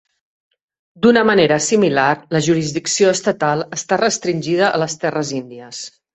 D'una manera similar, la jurisdicció estatal està restringida a les terres índies.